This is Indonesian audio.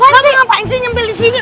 mak ngapain sih nyempel di sini